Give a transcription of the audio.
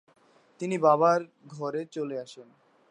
তিনি বাবার ঘরে চলে আসেন।